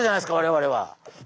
我々は。